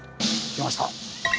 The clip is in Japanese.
来ました。